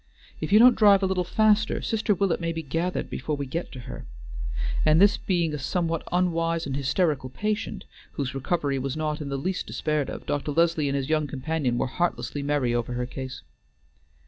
If you don't drive a little faster, Sister Willet may be gathered before we get to her;" and this being a somewhat unwise and hysterical patient, whose recovery was not in the least despaired of, Dr. Leslie and his young companion were heartlessly merry over her case.